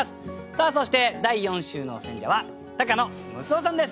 さあそして第４週の選者は高野ムツオさんです。